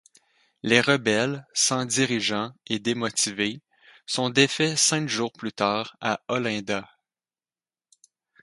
Les rebelles, sans dirigeant et démotivés, sont défaits cinq jours plus tard à Olinda.